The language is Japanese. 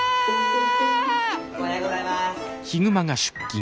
おはようございます。